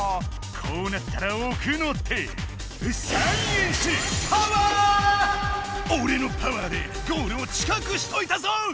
こうなったらおくの手おれのパワーでゴールを近くしといたぞっ！